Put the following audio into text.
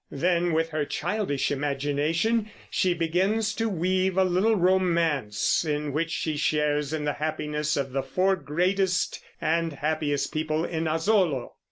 Then, with her childish imagination, she begins to weave a little romance in which she shares in the happiness of the four greatest and happiest people in Asolo.